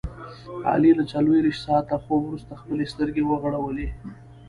علي له څلوریشت ساعته خوب ورسته خپلې سترګې وغړولې.